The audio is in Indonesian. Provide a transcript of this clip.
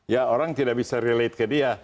ya orang tidak bisa relate ke dia